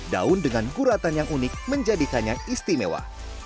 daun dengan guratan yang unik menjadikannya istimewa